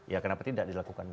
ya kenapa tidak dilakukan